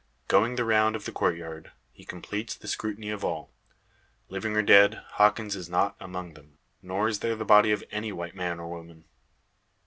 Going the round of the courtyard, he completes the scrutiny of all. Living or dead, Hawkins is not among them. Nor is there the body of any white man, or woman.